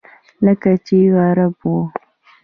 لکه چې عرب و.